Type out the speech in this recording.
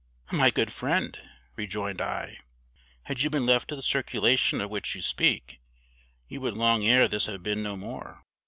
"My good friend," rejoined I, "had you been left to the circulation of which you speak, you would long ere this have been no more.